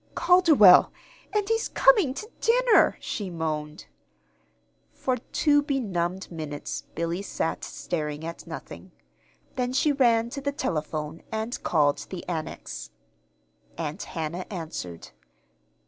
"Calderwell and he's coming to dinner!" she moaned. For two benumbed minutes Billy sat staring at nothing. Then she ran to the telephone and called the Annex. Aunt Hannah answered.